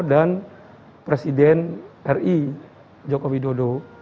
dan presiden ri jokowi dodo